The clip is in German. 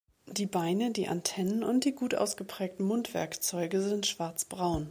Die Beine, die Antennen und die gut ausgeprägten Mundwerkzeuge sind schwarzbraun.